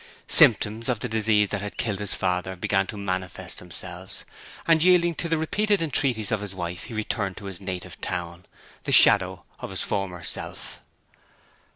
Symptoms of the disease that had killed his father began to manifest themselves, and yielding to the repeated entreaties of his wife he returned to his native town, the shadow of his former self.